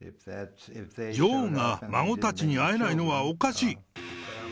女王が孫たちに会えないのはおかしい。